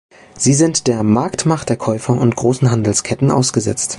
Sie sind der Marktmacht der Käufer und großen Handelsketten ausgesetzt.